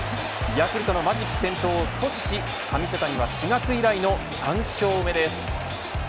ヤクルトのマジック点灯を阻止し上茶谷は４月以来の３勝目です。